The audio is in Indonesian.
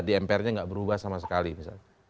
di mpr nya gak berubah sama sekali